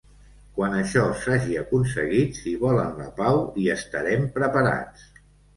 Quan això s'hagi aconseguit, si volen la pau, hi estarem preparats.